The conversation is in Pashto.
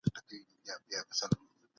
خور د وروڼو لپاره دعا کوي.